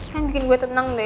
kan bikin gue tenang deh